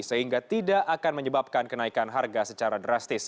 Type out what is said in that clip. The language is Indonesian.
sehingga tidak akan menyebabkan kenaikan harga secara drastis